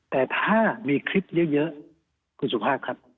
แต่ถ้ามีคลิปเยอะ